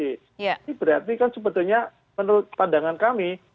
ini berarti kan sebetulnya menurut pandangan kami